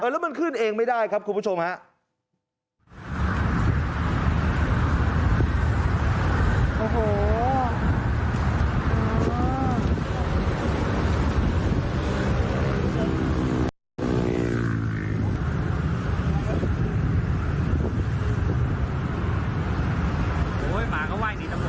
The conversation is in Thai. แล้วมันขึ้นเองไม่ได้ครับคุณผู้ชมครับ